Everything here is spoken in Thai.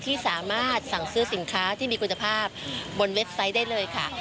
ที่สามารถสั่งซื้อสินค้าที่มีคุณภาพบนเว็บไซต์ได้เลยค่ะ